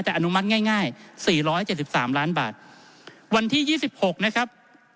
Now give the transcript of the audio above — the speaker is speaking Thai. แต่อนุมัติง่าย๔๗๓ล้านบาทวันที่๒๖นะครับ